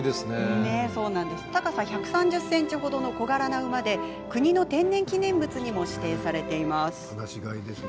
高さ１３０ｃｍほどの小柄な馬で国の天然記念物にも指定されています。